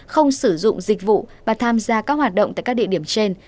không sử dụng dịch vụ và tham gia các hoạt động tại các địa điểm trên